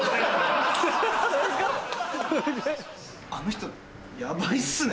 あの人ヤバいっすね。